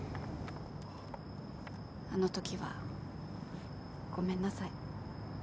あのときはごめんなさい。